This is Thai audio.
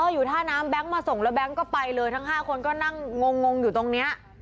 อยู่ท่าน้ำแก๊งมาส่งแล้วแก๊งก็ไปเลยทั้ง๕คนก็นั่งงงอยู่ตรงนี้